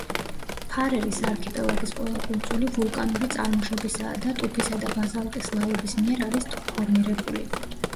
ფარერის არქიპელაგის ყველა კუნძული ვულკანური წარმოშობისაა და ტუფისა და ბაზალტის ლავების მიერ არის ფორმირებული.